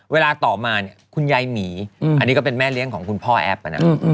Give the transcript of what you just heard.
เวลาต่อมาเนี่ยคุณยายหมีอันนี้ก็เป็นแม่เลี้ยงของคุณพ่อแอปนะ